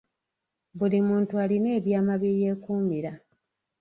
Buli muntu alina ebyama bye yeekuumira.